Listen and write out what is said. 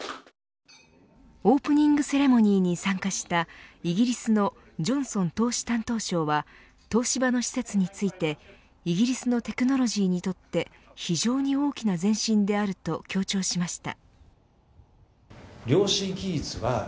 オープニングセレモニーに参加したイギリスのジョンソン投資担当相は東芝の施設についてイギリスのテクノロジーにとって非常に大きな前進であると強調しました。